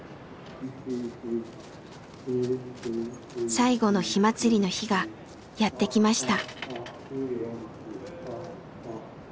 最後の火まつりの日がやって来ました。